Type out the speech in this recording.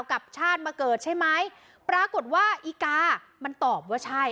กับชาติมาเกิดใช่ไหมปรากฏว่าอีกามันตอบว่าใช่